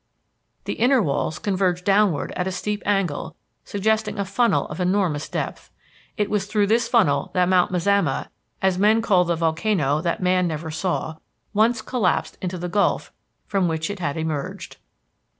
The inner walls converge downward at a steep angle, suggesting a funnel of enormous depth. It was through this funnel that Mount Mazama, as men call the volcano that man never saw, once collapsed into the gulf from which it had emerged.